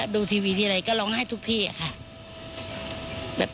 ดูทีวีทีไรก็ร้องไห้ทุกที่ค่ะ